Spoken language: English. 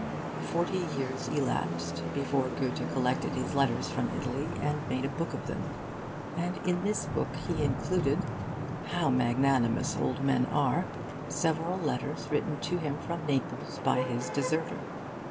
Forty years elapsed before Goethe collected his letters from Italy and made a book of them; and in this book he included how magnanimous old men are! several letters written to him from Naples by his deserter.